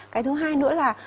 cái thứ hai nữa là